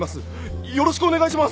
よろしくお願いします。